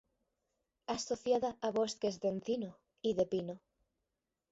Asociada a bosques de encino y de pino.